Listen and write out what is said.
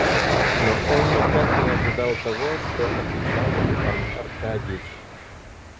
Но он никак не ожидал того, что отвечал Степан Аркадьич.